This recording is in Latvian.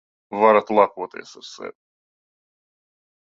Varat lepoties ar sevi.